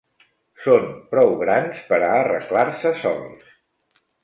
Són prou grans per a arreglar-se sols.